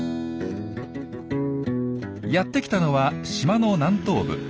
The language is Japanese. やってきたのは島の南東部。